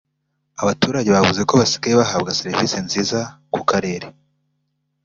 abaturage bavuze ko basigaye bahabwa Serivise nziza ku Karere